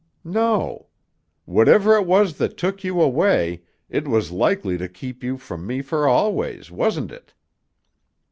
No. Whatever it was that took you away, it was likely to keep you from me for always, wasn't it?"